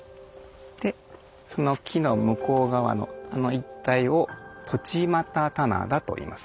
でその木の向こう側のあの一帯を「栃又棚田」といいます。